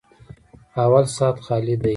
_اول سات خالي دی.